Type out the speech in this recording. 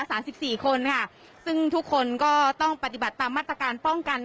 สามสิบสี่คนค่ะซึ่งทุกคนก็ต้องปฏิบัติตามมาตรการป้องกัน